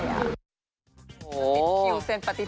โอ้โหใช่นะคะ